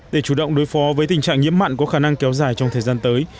để chủ động đối phó với tình trạng nhiễm mặn có khả năng kéo dài trong thời gian tới